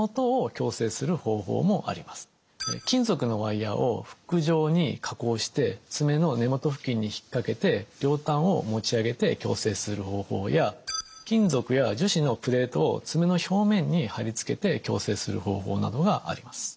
金属のワイヤーをフック状に加工して爪の根元付近に引っ掛けて両端を持ち上げて矯正する方法や金属や樹脂のプレートを爪の表面に貼り付けて矯正する方法などがあります。